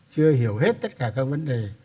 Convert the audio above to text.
chưa hiểu hết tất cả các vấn đề